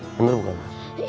bener bukan pak